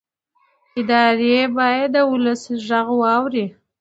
ادارې باید د ولس غږ واوري